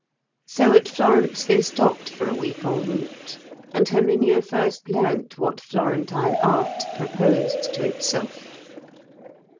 So at Florence they stopped for a week en route, and Herminia first learnt what Florentine art proposed to itself.